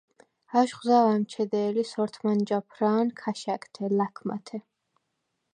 აშხუ̂ ზაუ̂ ა̈მჩედე̄ლი სორთმან ჯაფრა̄ნ ქაშა̈გთე ლა̈ქმათე.